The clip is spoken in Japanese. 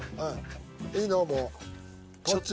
いい痢もう。